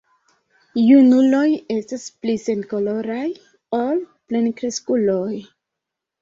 Junuloj estas pli senkoloraj ol plenkreskuloj.